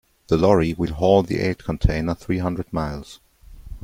The lorry will haul the aid container three hundred miles.